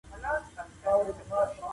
کېدای سي ليکنه سخته وي.